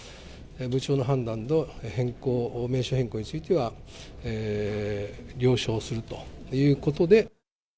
部長の判断の名称変更については了承するということで。